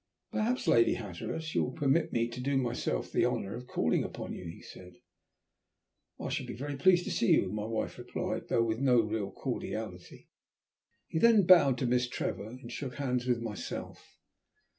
"Perhaps, Lady Hatteras, you will permit me to do myself the honour of calling upon you?" he said. "We shall be very pleased to see you," my wife replied, though with no real cordiality. He then bowed to Miss Trevor, and shook hands with myself.